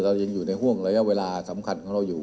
เรายังอยู่ในห่วงระยะเวลาสำคัญของเราอยู่